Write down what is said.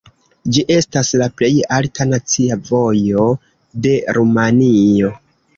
Ĝi estas la plej alta nacia vojo de Rumanio.